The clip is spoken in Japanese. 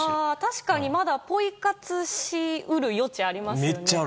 確かに、まだポイ活し得る余地がありますね。